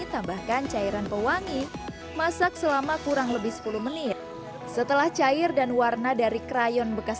tambahkan cairan pewangi masak selama kurang lebih sepuluh menit setelah cair dan warna dari crayon bekas